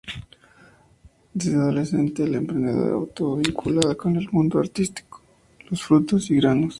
Desde adolescente, la emprendedora estuvo vinculada con el mundo artístico, los frutos y granos.